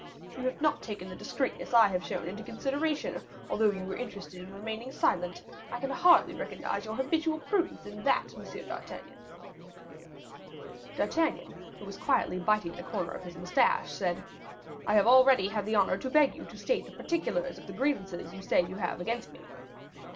You have not taken the discreetness I have shown into consideration, although you were interested in remaining silent. I can hardly recognize your habitual prudence in that, M. d'Artagnan." D'Artagnan, who was quietly biting the corner of his moustache, said, "I have already had the honor to beg you to state the particulars of the grievances you say you have against me."